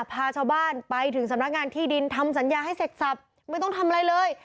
พาชาวบ้านไปถึงสำนักงานที่ดินทำสัญญาให้เสร็จสับไม่ต้องทำอะไรเลย